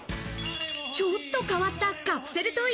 ちょっと変わったカプセルトイ。